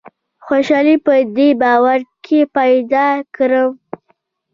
خوشالي په دې باور کې پیدا کړم.